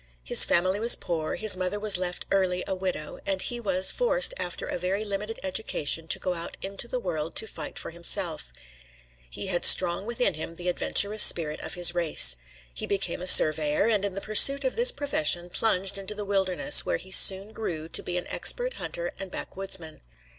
His family was poor, his mother was left early a widow, and he was forced after a very limited education to go out into the world to fight for himself He had strong within him the adventurous spirit of his race. He became a surveyor, and in the pursuit of this profession plunged into the wilderness, where he soon grew to be an expert hunter and backwoodsman.